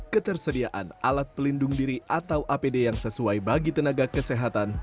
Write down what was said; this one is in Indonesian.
ketersediaan alat pelindung diri atau apd yang sesuai bagi tenaga kesehatan